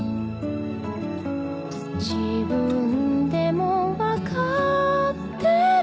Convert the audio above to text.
「自分でもわかってる」